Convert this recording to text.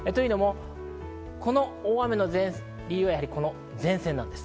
この大雨の理由は前線なんです。